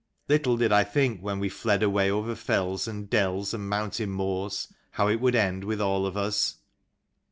Little did I think when we fled away over fells and dells and mountain moors, how it would end with all of us."